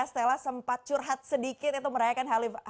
stella sempat curhat sedikit itu merayakan halim